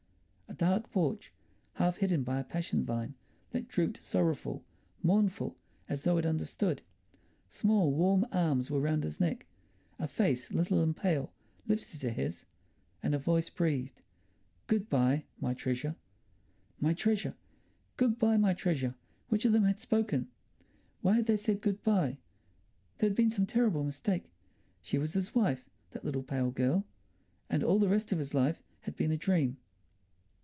... A dark porch, half hidden by a passion vine, that drooped sorrowful, mournful, as though it understood. Small, warm arms were round his neck. A face, little and pale, lifted to his, and a voice breathed, "Good bye, my treasure." My treasure! "Good bye, my treasure!" Which of them had spoken? Why had they said good bye? There had been some terrible mistake. She was his wife, that little pale girl, and all the rest of his life had been a dream.